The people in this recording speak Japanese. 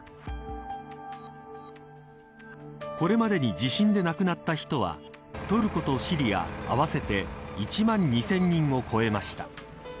これまでに地震で亡くなった人はトルコとシリアを合わせて１万２０００人を超えました。